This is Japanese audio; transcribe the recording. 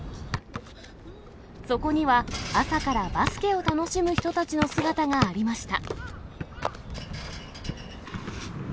そこには、朝からバスケを楽しむ人たちの姿がありました。